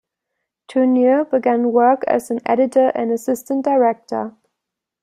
Tourneur began work as an editor and assistant director.